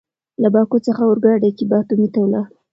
له باکو څخه اورګاډي کې باتومي ته ولاړ.